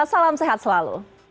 salam sehat selalu